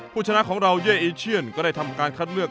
ผู้ชนะของเราเย่อีเชียนก็ได้ทำการคัดเลือก